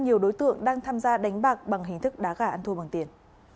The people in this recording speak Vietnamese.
nhiều đối tượng đang tham gia đánh bạc bằng hình thức đá gà ăn thua bằng tiền